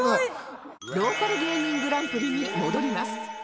ローカル芸人グランプリに戻ります